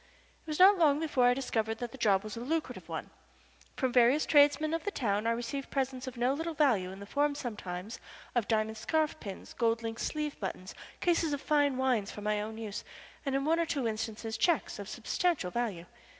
It was not long before I discovered that the job was a lucrative one. From various tradesmen of the town I received presents of no little value in the form sometimes of diamond scarf pins, gold link sleeve buttons, cases of fine wines for my own use, and in one or two instances checks of substantial value.